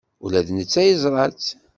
Ula d netta yeẓra-tt.